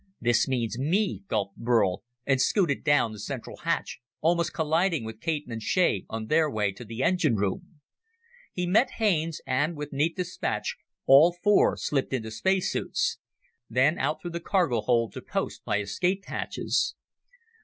"This means me," gulped Burl, and scooted down the central hatch, almost colliding with Caton and Shea on their way to the engine room. He met Haines, and, with neat dispatch, all four slipped into space suits. Then out through the cargo hold to posts by escape hatches.